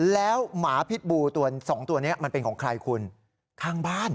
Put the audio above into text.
แล้วหมาพิษบูตัวสองตัวนี้มันเป็นของใครคุณข้างบ้าน